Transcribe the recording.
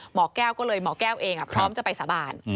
หมอแก้วก็เลยหมอแก้วเองพร้อมจะไปสาบาน